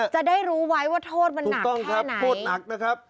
จะได้รู้ไว้ว่าโทษมันหนักถูกต้องครับโทษหนักนะครับ